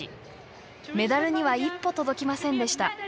メダルには一歩届きませんでした。